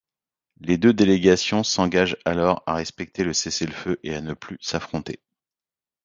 Les deux délégations s'engagent alors à respecter le cessez-le-feu et à ne plus s'affronter.